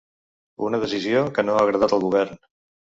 Una decisió que no ha agradat al govern.